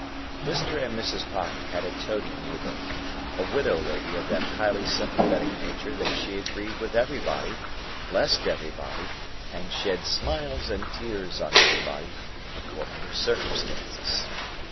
Mr. and Mrs. Pocket had a toady neighbour; a widow lady of that highly sympathetic nature that she agreed with everybody, blessed everybody, and shed smiles and tears on everybody, according to circumstances.